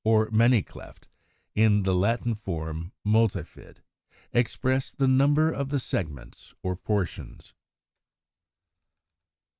or many cleft, in the Latin form, multifid, express the number of the Segments, or portions.